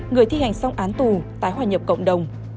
người thi hành xong án tù tái hòa nhập cộng đồng